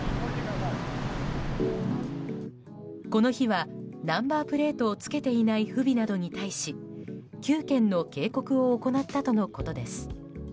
この日は、ナンバープレートを付けていない不備などに対し９件の警告を行ったとのことです。